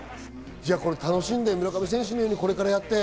じゃあ、楽しんで村上選手のようにこれからやって。